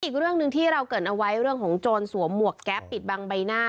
อีกเรื่องหนึ่งที่เราเกิดเอาไว้เรื่องของโจรสวมหมวกแก๊ปปิดบังใบหน้า